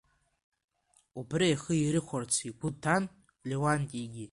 Убри ихы иаирхәарц игәы иҭан Леуантигьы.